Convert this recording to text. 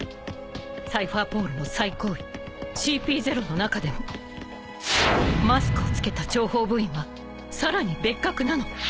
サイファーポールの最高位ＣＰ０の中でもマスクをつけた諜報部員はさらに別格なの。